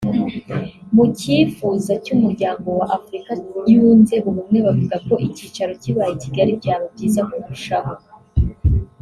mu kifuza cy’Umuryango wa Afurika yunze ubumwe bavuga ko icyicaro kibaye I Kigali byaba byiza kurushaho